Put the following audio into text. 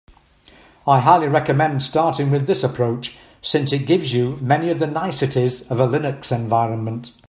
I highly recommend starting with this approach, since it gives you many of the niceties of a Linux environment.